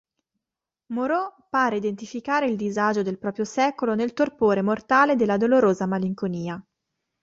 Moreau pare identificare il disagio del proprio secolo nel torpore mortale della dolorosa malinconia.